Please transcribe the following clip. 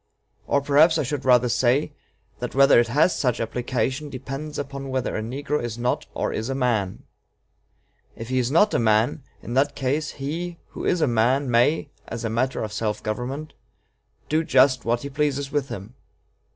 Or perhaps I should rather say, that whether it has such application depends upon whether a negro is not or is a man. If he is not a man, in that case, he who is a man may, as a matter of self government, do just what he pleases with him.